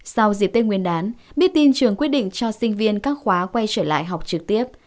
sau dịp tết nguyên đán biết tin trường quyết định cho sinh viên các khóa quay trở lại học trực tiếp